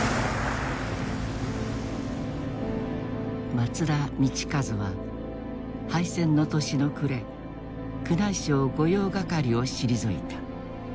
松田道一は敗戦の年の暮れ宮内省御用掛を退いた。